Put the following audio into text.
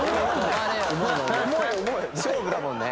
勝負だもんね。